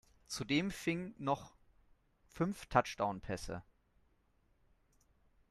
Zudem fing noch fünf Touchdownpässe.